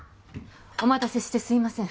お待たせしてすいません